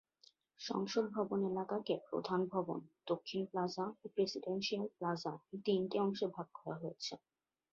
সংসদ ভবন এলাকাকে প্রধান ভবন, দক্ষিণ প্লাজা ও প্রেসিডেন্সিয়াল প্লাজা এই তিনটি অংশে ভাগ করা হয়েছে।